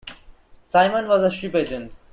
Simon was a ship agent.